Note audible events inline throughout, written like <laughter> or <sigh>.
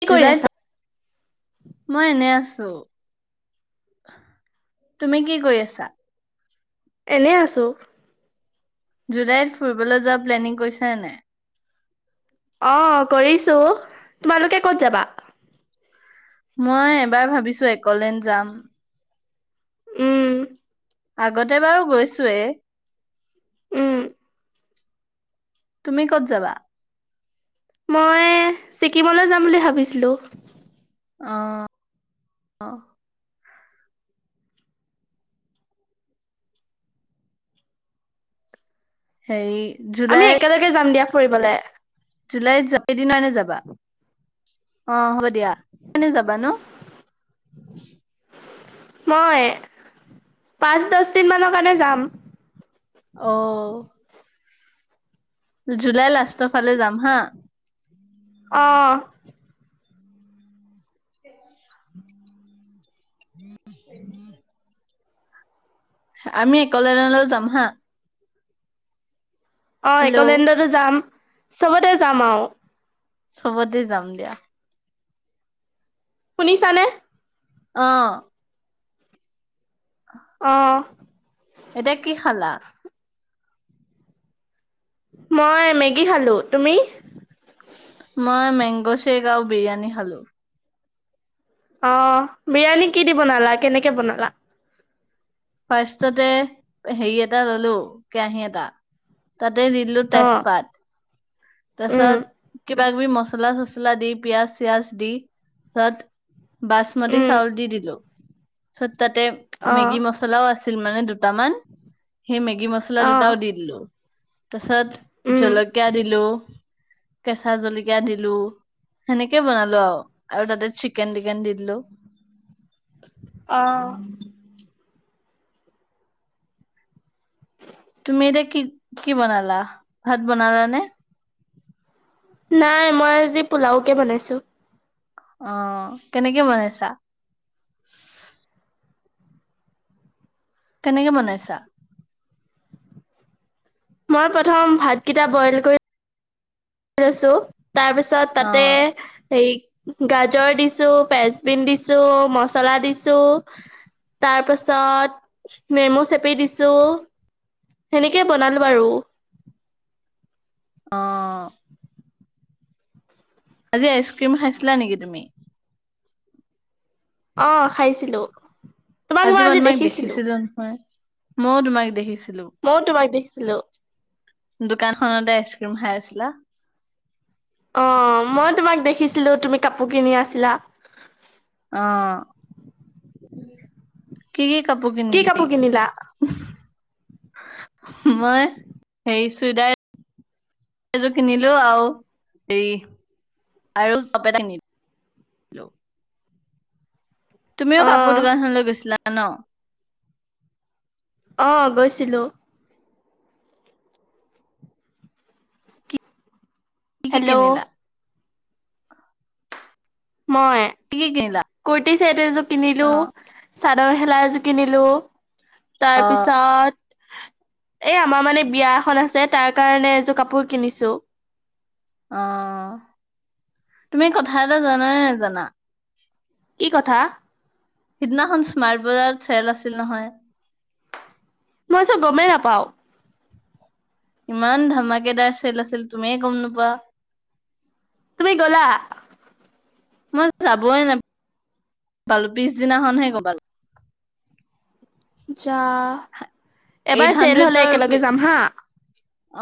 কি কৰি জুলাই, আছা? মই এনে আছ চ'- তুমি কি কৰি আছা? এনে আছো। জুলাইত ফুৰিবলৈ যোৱা প্লেনিং কৰিছে নে নাই? অ কৰিছো, তোমালোকে ক'ত যাবা? মই এবাৰ ভাবিছো, একলে যাম। উম। আগতে বাৰু গৈছোৱেই। উম। তুমি ক'ত যাবা? মই, ছিকিমলৈ যাম বুলি ভাবিছিলো। অহ, অহ। সেই আমি একেলগে যাম দিয়া। ফুৰিবলে। জুলাইত যাব, সেইদিন নে যাবা? অ হ'ব দিয়া, <inaudible> যাবা ন মই, পাঁচ দচদিন মানৰ কাৰণে যাম। অহ। জুলাই লাষ্টৰ ফালে যাম হা। অহ। উম <inaudible> উ উম <inaudible> আমি একলেলৈ যাম হা। অ, হেল্ল' একলেণ্ডতো যাম। চবতে যাম আৰু চবতে যাম দিয়া শুনিছানে। অহঁ অহ এতিয়া কি খালা? মই মেগী খালো তুমি? মই মেংগ শেক আৰু বিৰিয়ানী খালো। অ বিৰিয়ানী কি দি বনালা কেনেকে বনালা। ফাৰ্ষ্টতে হেৰি এটা ললো কেৰাহী এটা তাতে দি দিলো অ' তেজপাত। উম, তাৰপিছত কিবা কিবি মছলা চচলা দি পিয়াজ চিয়াজ দি তাত বাছ মচি উম। চাউল দি দিলো। তাৰপিছত তাতে অ' মেগী মছলাও আছিল মানে দু দুটামান সেই মেগী মছলা অ' দুটাও দি দিলো। তাৰপিছত উম, জলকীয়া দিলো। কেঁচা জলকীয়া দিলো সেনেকে বনালো আৰু আৰু তাতে চিকেন টিকেন দি দিলো। অ তুমি এতিয়া কি কি বনালা ভাত বনালানে। নাই মই আজি পোলাওকে বনাইছো। আহ কেনেকে বনাইছা। কেনেকে বনাইছা মই প্ৰথম ভাতকেইটা বইল কৰি কৰিছো। তাৰপিছত তাতে অ হেৰি গাজৰ দিছো ফেচবিন দিছো মচলা দিছো তাৰ পাছত নেমু চেপি দিছো সেনেকেই বনালো বাৰু। অহঁ আজি আইচক্ৰীম খাইছিলা নেকি তুমি। অ খাইছিলো আজি মানু মাক দেখিছিলো নহয়। মইও তোমাক দেখিছো। মই তোমাক দিখি ছিলো দোকানখনতে আইচক্ৰীম খাই আছিলা। অ মই তোমাক দেখিছিলো তুমি কাপোৰ কিনি আছিলা। আহ কি কি কাপোৰ কি কিনিলি কাপোৰ কিনিলা মই হেৰি চুইদাৰ এযোৰ কিনিলো আৰু হেৰি আৰু টপ এটা কিনিলো। অ তুমিও কাপোৰ দোকানখনলৈ গৈছিলা। ন অ গৈছিলো কি কি হেল্ল' কিনিলা মই কি কি কিনিলা কুট টিচাত এযোৰ কিনিলো, অ চা নহেলা এযো কিনিলো। তাৰ অ পিছত এ আমাৰ মানে বিয়া এখন আছে তাৰ কাৰণে এযোৰ কাপোৰ কিনিছো অ তুমি কথা এটা জানানে নাজানা? কি কথা সিদিনাখন স্মাৰ্ট বজাৰ চেল আছিল নহয়। মই চু গমেই নাপাওঁ ইমান ধমাকেদাৰ চেল আছিল তুমি গম নোপোৱা। তুমি গ'লা? মই যাবই নাপালো, পিছ দিনাখনহে গৈ পালো <unintelligible> যা এইট এবাৰ চেল হলে হাণ্ড্ৰেডৰ একেলগে যাম হা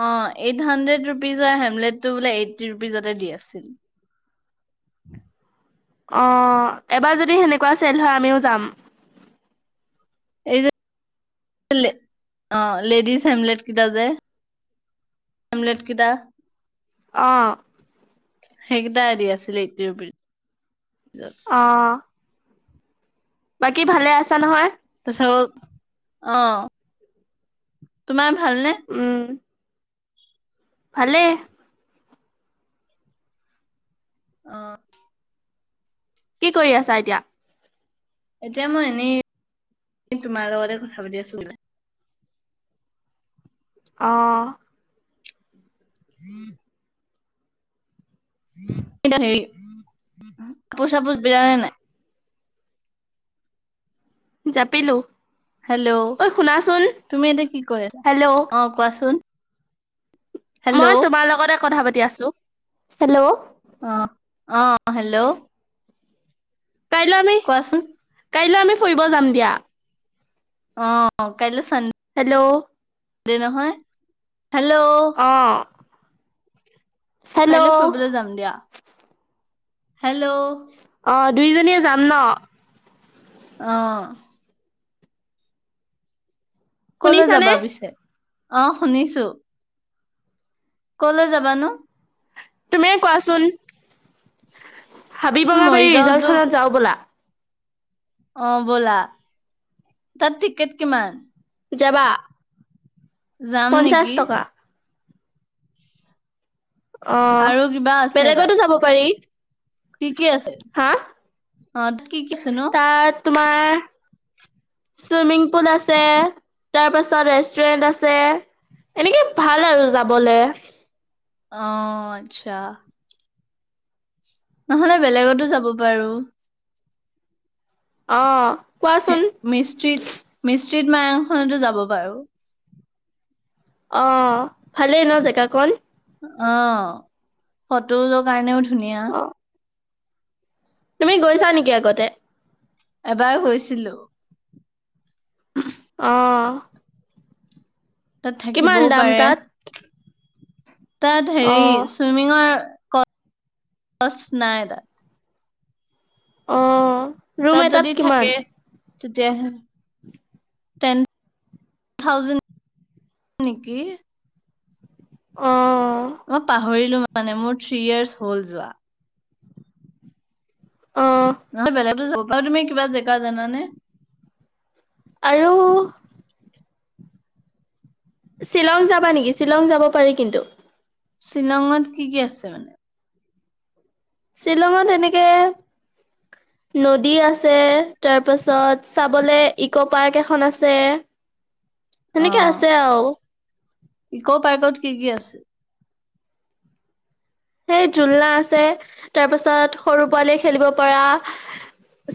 অ এইট হানড্ৰেড ৰুপিজৰ হেমলেটটো বোলে এইটটি ৰুপিজতে দি আছিল। অহ এবাৰ যদি সেনেকুৱা চেল হয় আমিও যাম এই যে অ লেডিজ হেমলেট কেইটা যে হেমলেট কিটা, অ সেইকিটা ই দি আছিলে এইটটী ৰূপিছত অ বাকী ভালে আছা নহয়? অ, তোমাৰ ভা? উম ভালে। অহ কি কৰি আছা এতিয়া? এতিয়া মই এনেই তোমাৰ লগতে কথা পাতি আছো বোলে অ হ <unintelligible> হেৰি কাপোৰ চাপোৰ বিলালে নাই? জাপিলো হেল্ল' ঐ শুনাচোন তুমি এতিয়া কি কৰিছা হেল্ল' অ কোৱাচোন হেল্ল' মই অ তোমাৰ লগতে কথা পাতি তি আছো হেল্ল' অ হেল্ল' কাইলৈ আমি কোৱাচোন কাইলৈ আমি ফুৰিব যাম দিয়া। অ কাইলৈ ছান দে হেল্ল' দে নহয়। হেল্ল' অ'। হেল্ল' কাইলৈ ফুৰিবলৈ যাম দিয়া। হেল্ল' অ' দুইজনীয়ে যাম ন। অহ। কলৈ শুনিছানে? যাবা পিছে। অ শুনিছোঁ। কলৈ যাবানো। তুমিয়েই কোৱাচোন। হাবি বঙাবাৰী ৰিজাল্ট মৰিগাঁওতো থানত যাওঁ ব'লা। অ ব'লা তাত টিকেট কিমান। যাবা যাম পঞ্চাশ নেকি। টকা অ আৰু কিবা আছে তাত বেলেগতো যাব পাৰি। কি কি আছে হা অ কি কি আছে নু। তাত তোমাৰ চুইমিং পুল আছে তাৰ পাছত ৰেষ্টুৰেন্ট আছে এনেকে ভাল আৰু যাবলে। অহ আচ্ছা নহ'লে বেলেগতো যাব পাৰোঁ। অহ। মিষ্ট্ৰতিত মি। ষ্ট্ৰ্ৰীট মায়ংখনতো যাব পাৰোঁ। অ ভালেই ন জেগা কন। অ ফটোটোৰ কাৰণেও। ধুনীয়া। অ'। তুমি গৈছা নেকি আগতে এবাৰ গৈছিলোঁ। অহ। তাত থাকিবও পাৰে। তাত? তাত হেৰি অ', চুইমিঙৰ। অ কচ নাই তাত। অ ৰুম এটাত কিমান তেতিয়া হে টেন থাউজেণ্ড নেকি? অ। ম পাহৰিলো মানে মোৰ থ্ৰ্ৰী ইয়োৰ্চ হ'ল যোৱা অ', নহয় বেলেগ যাব আৰু তুমি কিবা জেগা জানা নে? আৰু শ্বিলং যাবা নেকি শ্বিলং যাব পাৰি কিন্তু শ্বিলঙত কি কি আছে মানে শ্বিলঙত এনেকে নদী আছে তাৰপাছত চাবলে ইক' পাৰ্ক এখন আছে। সেনেকে অ', আছে আৰু ইক' পাৰ্কত কি কি আছিল? সেই জোলনা আছে তাৰ পিছত সৰু পোৱালি খেলিব পৰা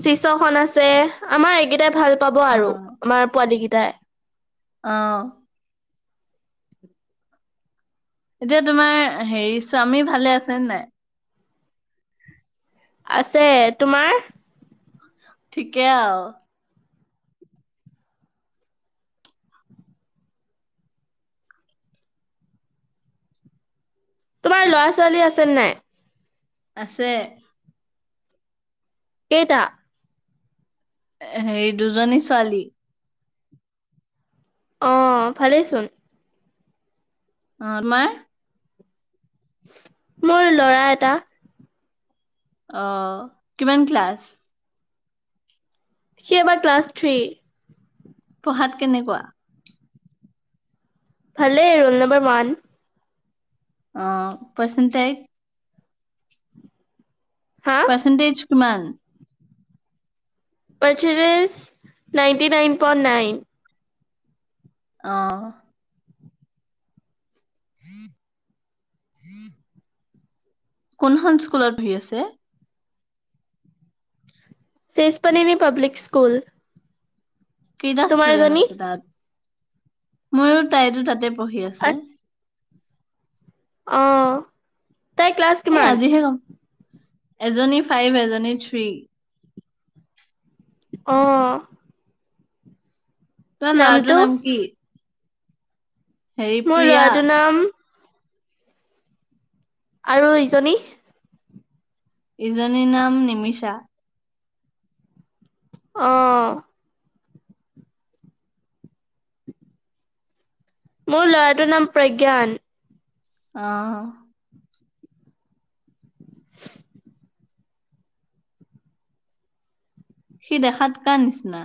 চিচখনন আছে আমাৰ এইকেইটাই ভাল। পাব আৰু আমাৰ পোৱালি কেইটা। তায় আহ এতিয়া তোমাৰ হেৰি স্বামী ভালে আছেনে নাই। আছে তোমাৰ ঠিকে আও তোমাৰ ল'ৰা ছোৱালী আছে নাই? আছে কেইটা হে দুজনী ছোৱালী অ ভালেইচোন অঁ তোমাৰ মোৰ লৰা এটা অ কিমান ক্লাছ সি এবাৰ ক্লাছ থ্ৰী। পঢ়াত কেনেকুৱা ভালেই ৰোল নম্বাৰ ওৱান অ পাছেন্তিক হা? পাৰ্চেন্টেজ কিমান percentage ninety nine point nine. আহ উম উম <unintelligible> কোনখন স্কুলত পঢ়ি আছে। ইছপানিক পাব্লিক স্কুল। কেইটা তোমাৰ ষ্টুডেন্ট জনী? আছে তাত। ময়ো তাইতো তাতে পঢ়ি আছে। আহ তাই ক্লাছ এই কিমান? আজিহে গম এজনী ফাইভ এজনী থ্ৰী অঁ তোমাৰ ল'ৰাটো নাম কি? হেৰি মোৰ প্ৰিয়া, ল'ৰাটোৰ নাম? আৰু ইজনী। ইজনীৰ নাম নিমিষা? আহ। মূল আৰু নাম প্ৰজ্ঞান। অহ। <inaudible> <unintelligible> সি দেখাত কা নিচিনা?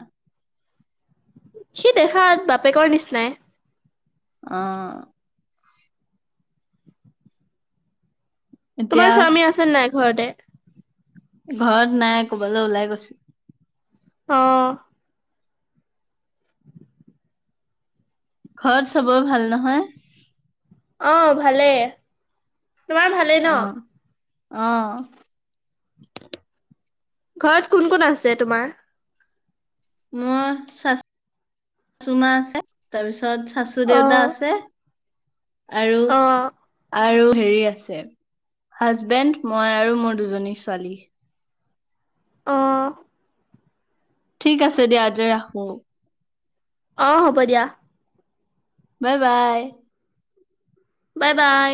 সি দেখাত বাপেকৰ নিচিনাই? অহ এতিয়া তোমাৰ স্বামী আছে নাই? ঘৰতে ঘৰত নাই ক'বালে ওলাই গৈছিলে? অ ঘৰত চবৰে ভাল নহয়? অহ ভালেই? তোমাৰ ভালেই ন। আহ ঘৰত কোন কোন আছে তোমাৰ? মোৰ চাচু মা আছে তাৰপিছত? চাচু দেউতা অ' আছে? আৰু অ' আৰু। হেৰী আছে হাজবেণ্ড মই আৰু মোৰ দুজনী ছোৱালী? অহ ঠিক আছে দিয়া ইয়াতে ৰাখো? অ হ'ব দিয়া। Bye bye. Bye bye.